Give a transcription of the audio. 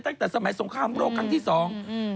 ตั้งแต่สมัยสงครามโลกครั้งที่สองอืม